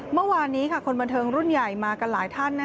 เมื่อวานนี้คนบันเทิงรุ่นใหญ่มากันหลายท่าน